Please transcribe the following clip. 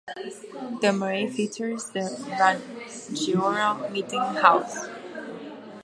The marae features the Rangiora meeting house.